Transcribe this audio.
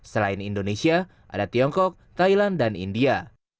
selain indonesia ada tiongkok thailand dan india